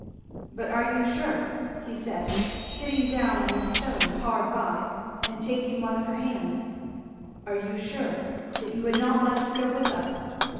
"But are you sure," he said, sitting down on a stone hard by and taking one of her hands, "are you sure that you would not like to go with us?